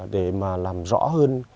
để mà làm rõ hơn